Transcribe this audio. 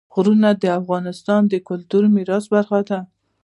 غرونه د افغانستان د کلتوري میراث برخه ده.